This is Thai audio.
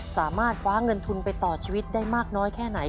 สามารถคว้าเงินทุนไปต่อชีวิตได้มากน้อยแค่ไหน